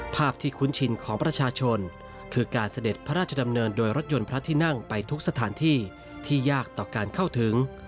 ภาพที่คุ้นชินของประชาชนคือการเสด็จพระราชดำเนินโดยรถยนต์พระที่นั่งไปทุกสถานที่ที่ยากต่อการเข้าถึง